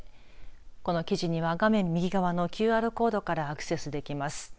この記事には画面右側のＱＲコードからアクセスできます。